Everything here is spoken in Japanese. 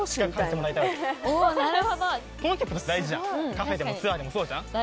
カフェでもツアーでもそうじゃん。